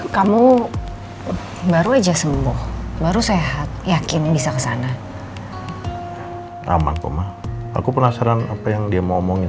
kamu baru aja sembuh baru sehat yakin bisa kesana ramah kok mah aku penasaran apa yang dia mau omongin